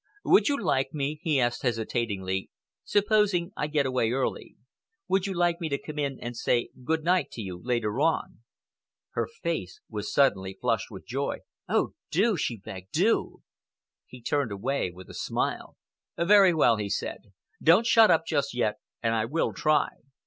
"Would you like me," he asked hesitatingly, "supposing I get away early—would you like me to come in and say good night to you later on?" Her face was suddenly flushed with joy. "Oh, do!" she begged. "Do!" He turned away with a smile. "Very well," he said. "Don't shut up just yet and I will try."